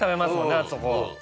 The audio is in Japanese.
あそこ。